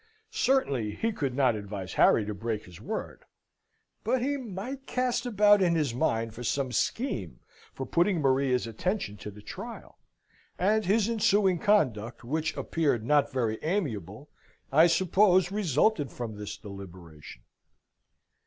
Certainly he could not advise Harry to break his word; but he might cast about in his mind for some scheme for putting Maria's affection to the trial; and his ensuing conduct, which appeared not very amiable, I suppose resulted from this deliberation.